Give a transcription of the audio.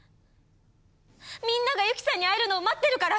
みんなが由希さんに会えるのを待ってるから。